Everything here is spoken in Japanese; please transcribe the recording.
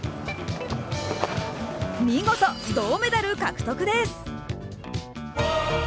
見事、銅メダル獲得です。